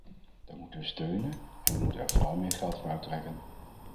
Dat moeten we steunen, en we moeten er vooral meer geld voor uittrekken.